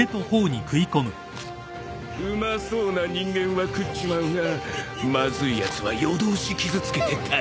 うまそうな人間は喰っちまうがまずいやつは夜通し傷つけて楽しむんだ。